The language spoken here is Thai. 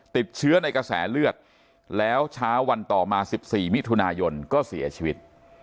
ติดเชื้อในกระแสเลือดแล้วเช้าวันต่อมา๑๔มิถุนายนก็เสียชีวิต